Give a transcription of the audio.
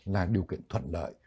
là điều kiện thuận lợi